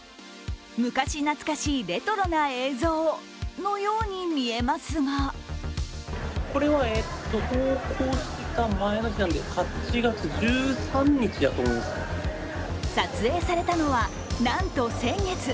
昔懐かしいレトロな映像のように見えますが撮影されたのは、なんと先月。